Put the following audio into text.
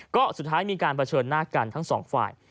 ก็สุดท้ายมีการเผชิญหน้ากันทั้งสองฝ่าย